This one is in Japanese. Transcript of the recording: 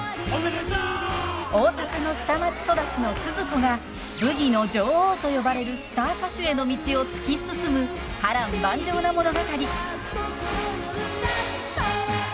大阪の下町育ちのスズ子がブギの女王と呼ばれるスター歌手への道を突き進む波乱万丈な物語。へいっ！